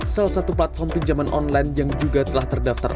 salah satu platform pinjaman online yang juga telah terdaftar